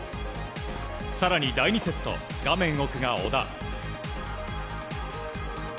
更に第２セット、画面奥が小田。